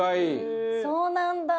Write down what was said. そうなんだ。